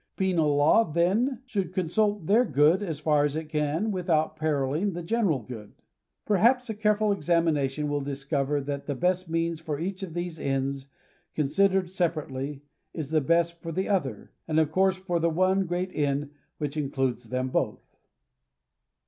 Penal law, then, should consult their good as far as it can without perilling the general good. Per haps a careful examination will discover that the best means for each of these ends considered separately, is the best for the other, and of course for the one great end which includes them ' both.